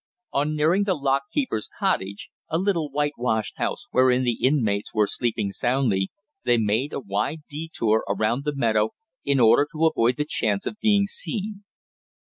On nearing the lock keeper's cottage, a little white washed house wherein the inmates were sleeping soundly, they made a wide detour around the meadow, in order to avoid the chance of being seen.